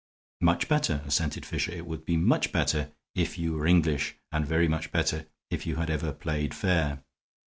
"Much better," assented Fisher. "It would be much better if you were English and very much better if you had ever played fair.